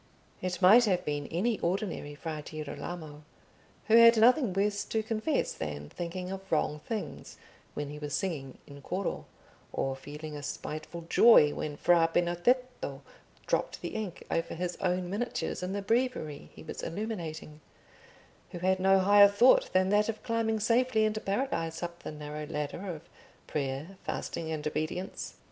It might have been any ordinary Fra Girolamo, who had nothing worse to confess than thinking of wrong things when he was singing in coro, or feeling a spiteful joy when Fra Benedetto dropped the ink over his own miniatures in the breviary he was illuminating—who had no higher thought than that of climbing safely into Paradise up the narrow ladder of prayer, fasting, and obedience.